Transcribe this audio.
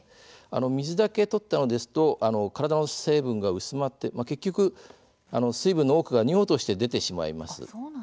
水だけとっても体の成分が薄まって結局水分の多くが尿として出てしまいます。